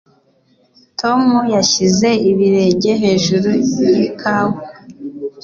Tom yashyize ibirenge hejuru yikawa